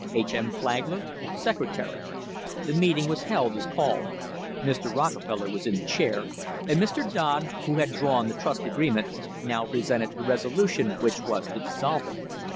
H. M. FLAGLER, Secretary. The meeting was held as called. Mr. Rockefeller was in the chair, and Mr. Dodd, who had drawn the trust agreement, now presented the resolution which was to dissolve it.